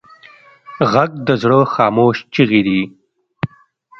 غږ د زړه خاموش چیغې دي